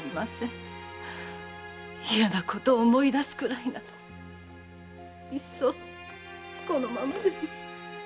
嫌なことを思い出すくらいならいっそこのままでも。